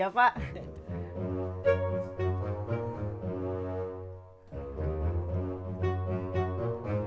baru pulang sekolah cep